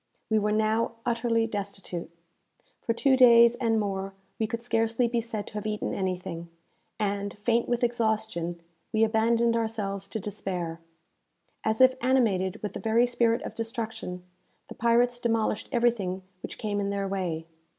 We were now utterly destitute. For two days and more, we could scarcely be said to have eaten anything, and, faint with exhaustion, we abandoned ourselves to despair. As if animated with the very spirit of destruction, the pirates demolished everything which came in their way.